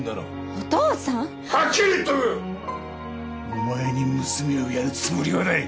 お前に娘をやるつもりはない！